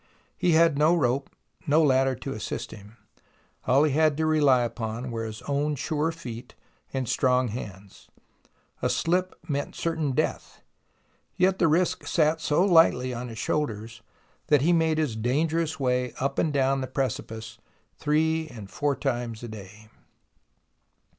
He had no rope, no ladder to assist him. All he had to rely upon were his own sure feet and strong hands. A slip meant certain death, yet the risk sat so lightly on his shoulders that he made his dangerous way up and down the precipice three and four times a day.